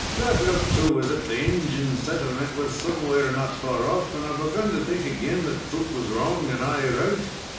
That looked, too, as if the Ingin' settlement was somewhere not far off, and I begun to think ag'in that Soot was wrong and I right.